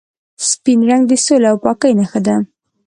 سپین رنګ د سولې او پاکۍ نښه ده.